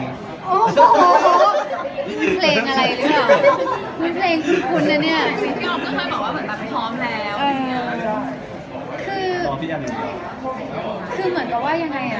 อาจจะรอเวลาที่มองค์ฟอร์มว่างบ้างเลย